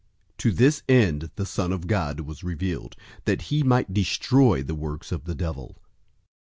To this end the Son of God was revealed, that he might destroy the works of the devil.